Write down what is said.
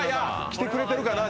来てくれてるかな？